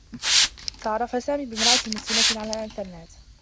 تعرّف سامي بامرأة مسلمة على الانترنت.